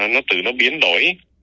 nó tự nó biến đổi